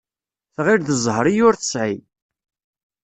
Tɣill d ẓẓher i ur tesεi.